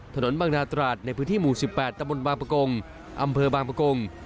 ถนนบางนาตราดในพื้นที่หมู่๑๘ตะบนบางประกงอำเภอบางประกง